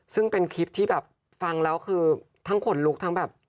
ซึ่งเป็นคลิปที่ทั้งขนลุกทั้งแบบ